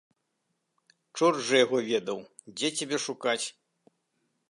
Чорт жа яго ведаў, дзе цябе шукаць.